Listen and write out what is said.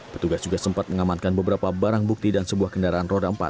petugas juga sempat mengamankan beberapa barang bukti dan sebuah kendaraan roda empat